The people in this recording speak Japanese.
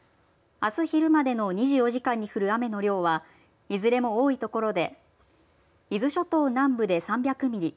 あす昼までの２４時間に降る雨の量はいずれも多い所で伊豆諸島南部で３００ミリ